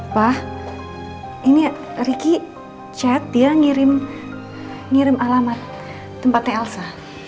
pak ini ricky chat dia ngirim alamat tempatnya elsa